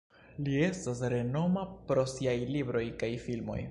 Li estas renoma pro siaj libroj kaj filmoj.